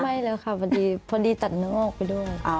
ไม่เลยค่ะพอดีตัดน้องออกไปด้วย